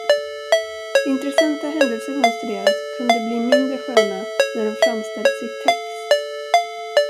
Intresssanta händelser hon studerat kunde bli mindre sköna när de framställts i text.